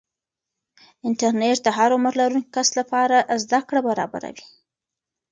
انټرنیټ د هر عمر لرونکي کس لپاره زده کړه برابروي.